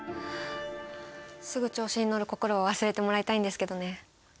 すぐ調子に乗る心は忘れてもらいたいんですけどね。